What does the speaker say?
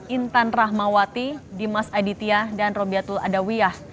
intan rahmawati dimas aditya dan robiatul adawiyah